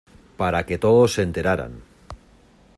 para que todos se enteraran